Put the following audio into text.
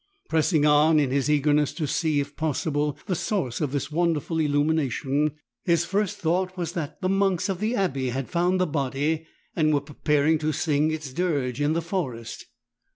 Pressing on in his eagerness to see if possible the source of this wonderful illumination, his first thought was that the monks of the abbey had found the body and were preparing to sing its dirge in the forest.